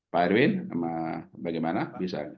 pak erwin sama bagaimana bisa